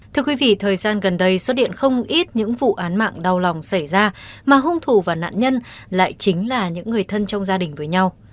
thưa quý vị thời gian gần đây xuất hiện không ít những vụ án mạng đau lòng xảy ra mà hung thủ và nạn nhân lại chính là những người thân trong gia đình với nhau